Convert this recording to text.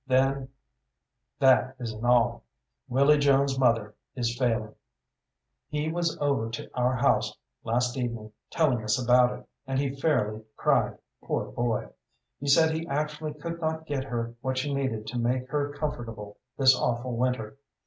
Then that isn't all. Willy Jones's mother is failing. He was over to our house last evening, telling us about it, and he fairly cried, poor boy. He said he actually could not get her what she needed to make her comfortable this awful winter.